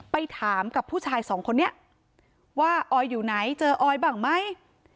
ไปถามกับผู้ชายสองคนนี้ว่าออยอยู่ไหนเจอออยบ้างไหม